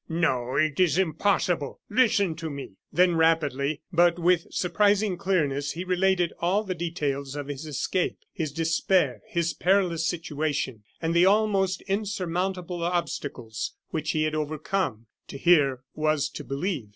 No, it is impossible listen to me." Then rapidly, but with surprising clearness, he related all the details of his escape, his despair, his perilous situation, and the almost insurmountable obstacles which he had overcome. To hear was to believe.